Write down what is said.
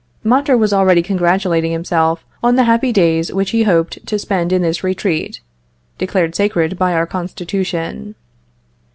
Mondor was already congratulating himself on the happy days which he hoped to spend in this retreat, declared sacred by our Constitution.